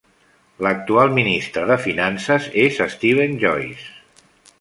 L'actual ministre de Finances es Steven Joyce.